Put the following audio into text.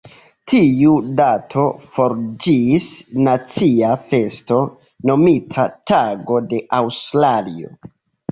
Tiu dato fariĝis nacia festo nomita Tago de Aŭstralio.